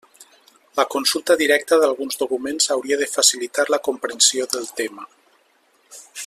La consulta directa d’alguns documents hauria de facilitar la comprensió del tema.